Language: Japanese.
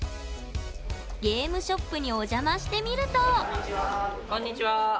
ゲームショップにお邪魔してみるとこんにちは。